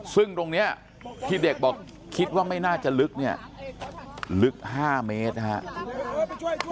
ซึ่งตรงนี้ที่เด็กบอกคิดว่าไม่น่าจะลึกเนี่ยลึก๕เมตรนะครับ